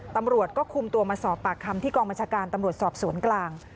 ตำรวจก็คุมตัวมาสอบปากคำที่กองบัญชาการตำรวจสอบสวนกลาง